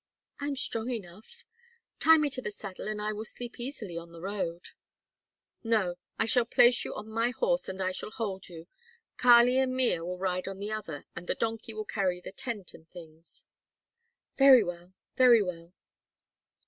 "I am strong enough. Tie me to the saddle and I will sleep easily on the road." "No. I shall place you on my horse and I shall hold you. Kali and Mea will ride on the other and the donkey will carry the tent and things." "Very well! very well!"